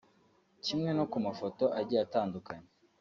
Kimwe no ku mafoto agiye atandukanye